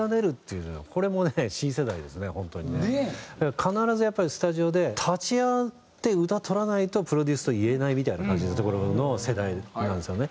必ずやっぱりスタジオで立ち会って歌録らないとプロデュースと言えないみたいな感じのところの世代なんですよね。